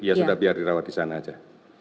ya sudah biar dirawat di sana saja